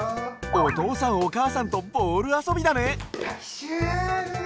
おとうさんおかあさんとボールあそびだね！